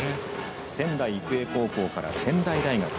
仙台育英高校から仙台大学。